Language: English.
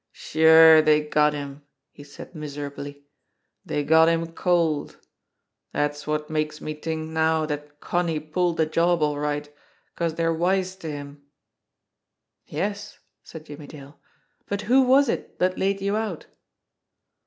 "Sure, dey got him," he said miserably. "Dey got him cold. Dat's wot makes me t'ink now dat Connie pulled de job all right, 'cause dey're wise to him." "Yes," said Jimmie Dale; "but who was it that laid you out?"